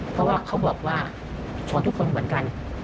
เพราะว่าเขาบอกว่าชวนทุกคนเหมือนกัน